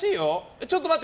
ちょっと待って。